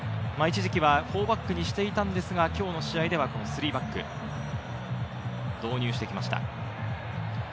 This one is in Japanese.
一時期は４バックにしていたんですが、今日の試合では３バックを導入してきました。